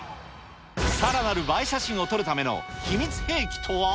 さらなる映え写真を撮るための秘密兵器とは。